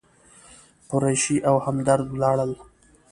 قریشي او همدرد ولاړل.